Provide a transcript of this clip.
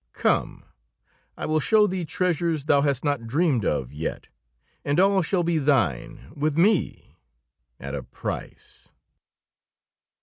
Come, I will show thee treasures thou hast not dreamed of yet; and all shall be thine, with me at a price."